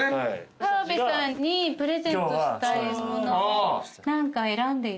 澤部さんにプレゼントしたいもの何か選んで。